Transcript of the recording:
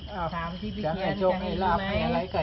อ้าวนี้โอ่วจะให้จกให้หรับ